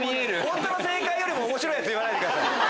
本当の正解よりも面白いやつ言わないでください。